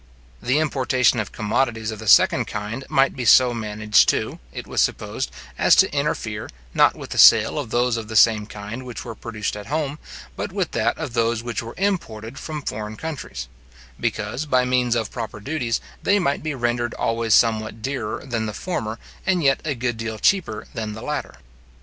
The importation of commodities of the second kind might be so managed too, it was supposed, as to interfere, not with the sale of those of the same kind which were produced at home, but with that of those which were imported from foreign countries; because, by means of proper duties, they might be rendered always somewhat dearer than the former, and yet a good deal cheaper than the latter.